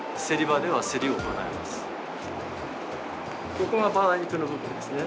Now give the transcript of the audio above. ここがバラ肉の部分ですね。